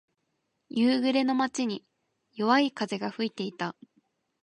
夕暮れの街に、弱い風が吹いていた。